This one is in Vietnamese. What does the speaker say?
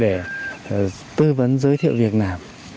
để tư vấn giới thiệu việc làm